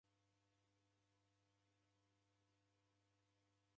Machi ndeghilemere sana